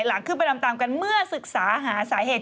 หลังขึ้นไปดำตามกันเมื่อศึกษาหาสาเหตุ